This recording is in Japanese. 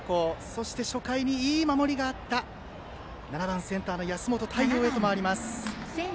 そして初回に、いい守りがあった７番センターの安本泰央へと回ります。